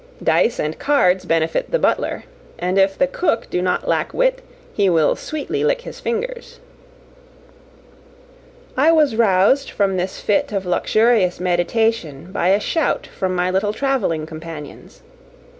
Dice and cards benefit the butler; and if the cook do not lack wit, he will sweetly lick his fingers." I was roused from this fit of luxurious meditation by a shout from my little travelling companions.